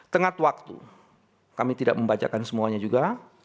tengah waktu kami tidak membacakan semuanya juga